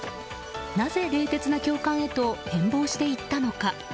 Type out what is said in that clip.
なぜ冷徹な教官へと変貌していったのか。